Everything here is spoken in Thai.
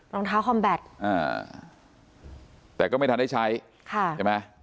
ลองเท้าคอมแบตอ่าแต่ก็ไม่ทันได้ใช้ค่ะเห็นมั้ย